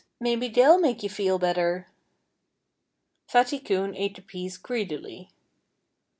Maybe they'll make you feel better." Fatty Coon ate the peas greedily.